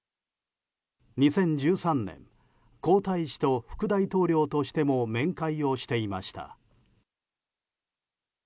２０１３年皇太子と副大統領としても面会をしていました。